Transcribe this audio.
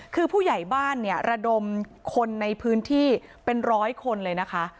คือผู้ใหญ่บ้านเนี่ยระดมคนในพื้นที่เป็นร้อยคนเลยนะคะ